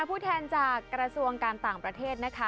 ผู้แทนจากกระทรวงการต่างประเทศนะคะ